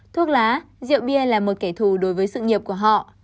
thuốc lá rượu bia là một kẻ thù đối với sự nghiệp của họ